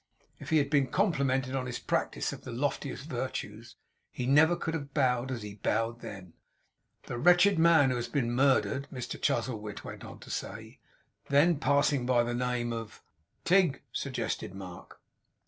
If he had been complimented on his practice of the loftiest virtues, he never could have bowed as he bowed then. 'The wretched man who has been murdered,' Mr Chuzzlewit went on to say; 'then passing by the name of ' 'Tigg,' suggested Mark.